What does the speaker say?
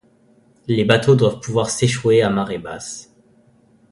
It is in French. Les bateaux doivent pouvoir s'échouer à marée basse.